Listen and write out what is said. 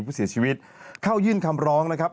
ผู้เสียชีวิตเข้ายื่นคำร้องนะครับ